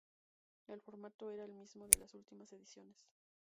El formato era el mismo de las últimas ediciones.